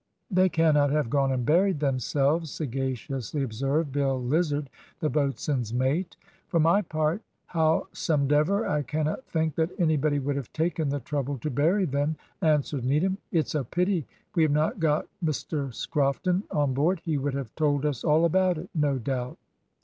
"They cannot have gone and buried themselves," sagaciously observed Bill Lizard, the boatswain's mate. "For my part, howsomedever, I cannot think that anybody would have taken the trouble to bury them," answered Needham. "It's a pity we have not got Mr Scrofton on board; he would have told us all about it, no doubt."